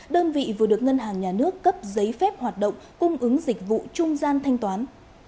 đơn vị vừa được ngân hàng nhà nước cấp giấy phép hoạt động cung ứng dịch vụ trung gian thanh toán